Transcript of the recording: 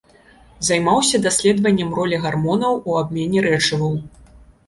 Займаўся даследаваннем ролі гармонаў у абмене рэчываў.